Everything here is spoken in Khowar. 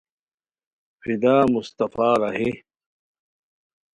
فدا مصطفےٰ راہی ؔ